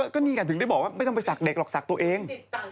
ก็นี่ไงถึงได้บอกว่าไม่ต้องไปศักดิหรอกศักดิ์ตัวเอง